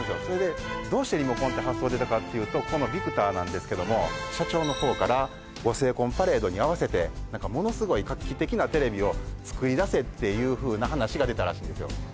それでどうしてリモコンって発想出たかっていうとこのビクターなんですけども社長のほうからご成婚パレードに合わせて「ものすごい画期的なテレビを作り出せ」っていうふうな話が出たらしいんですよ